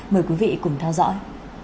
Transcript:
mời quý vị cùng theo dõi